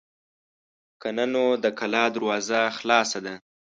که نه نو د کلا دروازه خلاصه ده.